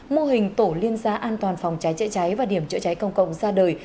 mô hình tổ liên giá an toàn phòng cháy chữa cháy và điểm chữa cháy công cộng ra đời